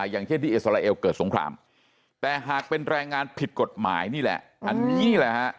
อย่างเช่นที่เอสราเอลเกิดสงครามแต่หากเป็นแรงงานผิดกฎหมายนี่แหละ